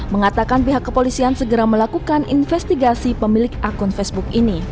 mengatakan pihak kepolisian segera melakukan investigasi pemilik akun facebook ini